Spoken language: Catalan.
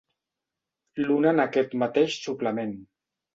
L'una en aquest mateix suplement.